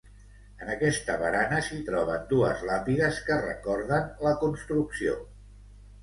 En aquesta barana s'hi troben dues làpides que recorden la construcció.